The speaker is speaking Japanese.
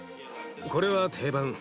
これは定番。